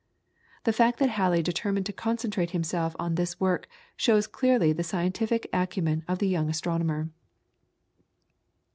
The fact that Halley determined to concentrate himself on this work shows clearly the scientific acumen of the young astronomer.